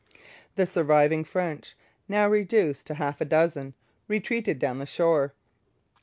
The surviving French, now reduced to half a dozen, retreated down the shore.